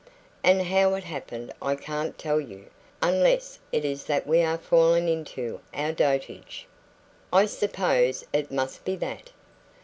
And how it happened I can't tell you, unless it is that we are fallen into our dotage. I suppose it must be that."